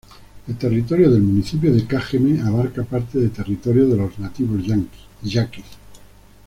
El territorio del municipio de Cajeme abarca parte de territorios de los nativos yaquis.